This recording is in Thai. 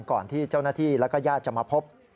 ก่อนที่เจ้าหน้าที่แล้วก็ญาติจะมาพบ